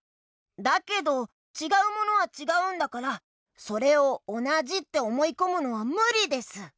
だけどちがうものはちがうんだからそれをおなじっておもいこむのはむりです。